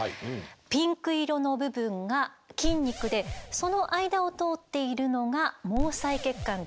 ピンク色の部分が筋肉でその間を通っているのが毛細血管です。